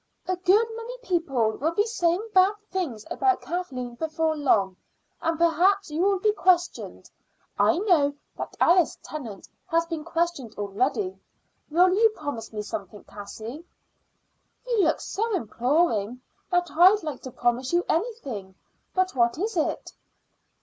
"A good many people will be saying bad things about Kathleen before long, and perhaps you will be questioned. I know that Alice Tennant has been questioned already. Will you promise me something, Cassie?" "You look so imploring that I'd like to promise you anything; but what is it?"